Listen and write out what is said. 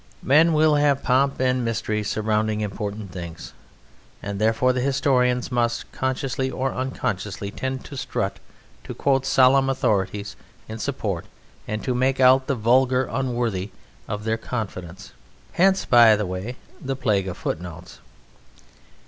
Men will have pomp and mystery surrounding important things, and therefore the historians must, consciously or unconsciously, tend to strut, to quote solemn authorities in support, and to make out the vulgar unworthy of their confidence. Hence, by the way, the plague of footnotes.